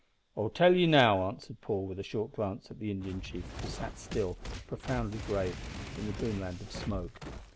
"I'll tell ye now," answered Paul, with a short glance at the Indian chief, who still sat, profoundly grave, in the dreamland of smoke.